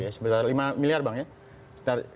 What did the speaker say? sebesar lima miliar bang ya